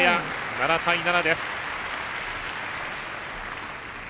７対７です。